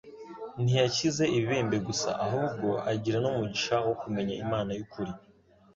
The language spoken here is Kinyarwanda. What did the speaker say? ntiyakize ibibembe gusa, ahubwo agira n'umugisha wo kumenya Imana y'ukuri.